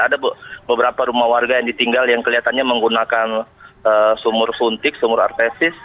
ada beberapa rumah warga yang ditinggal yang kelihatannya menggunakan sumur suntik sumur artesis